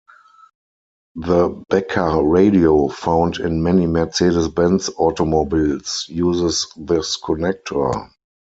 The Becker radio found in many Mercedes-Benz automobiles uses this connector.